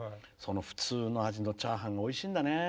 普通の味のチャーハンがおいしいんだね。